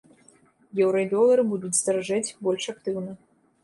Еўра і долар будуць даражэць больш актыўна.